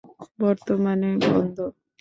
বর্তমানে বন্ধ।